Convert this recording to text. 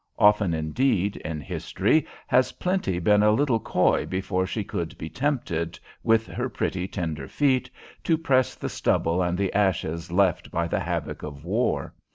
Often indeed, in history, has Plenty been a little coy before she could be tempted, with her pretty tender feet, to press the stubble and the ashes left by the havoc of War.